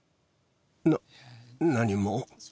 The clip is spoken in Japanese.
な、何も。